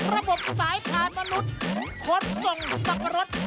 ระบบสายผ่านมนุษย์คลนทรงสักรส